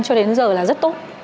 cho đến giờ là rất tốt